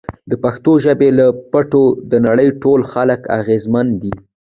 د پښتو ژبې له ټپو د نړۍ ټول خلک اغیزمن دي!